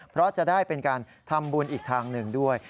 เพราะจะได้เป็นการทำบุญอีกทางหนึ่งด้วย